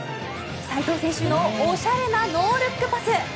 斎藤選手のおしゃれなノールックパス。